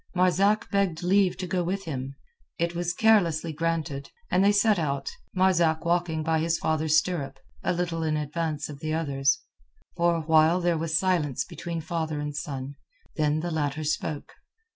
Marzak begged leave to go with him. It was carelessly granted, and they set out, Marzak walking by his father's stirrup, a little in advance of the others. For a while there was silence between father and son, then the latter spoke.